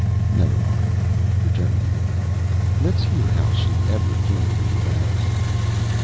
"Never mind," returned the Idiot. "Let's hear how she ever came to be embarrassed."